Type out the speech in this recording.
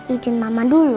ijin mama dulu